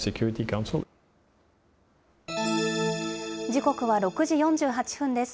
時刻は６時４８分です。